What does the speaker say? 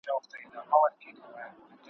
لېوه خره ته کړلې سپیني خپلي داړي `